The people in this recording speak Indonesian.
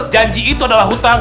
janji itu adalah hutang